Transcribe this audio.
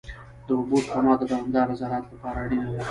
د اوبو سپما د دوامدار زراعت لپاره اړینه ده.